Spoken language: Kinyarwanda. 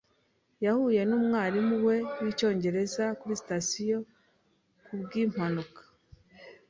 Yahuye numwarimu we wicyongereza kuri sitasiyo kubwimpanuka.